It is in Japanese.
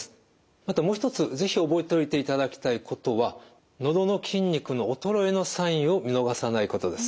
あともう一つ是非覚えといていただきたいことはのどの筋肉の衰えのサインを見逃さないことです。